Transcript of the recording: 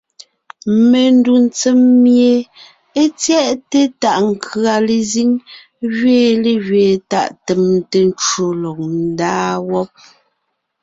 Mendù tsèm mie é tyɛʼte tàʼ nkʉ̀a lezíŋ gẅiin légẅiin tàʼ tèmte ncwò lɔg ńdaa wɔ́b.